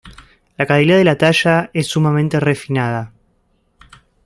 La calidad de la talla es sumamente refinada.